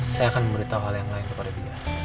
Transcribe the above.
saya akan memberitahu hal yang lain kepada dia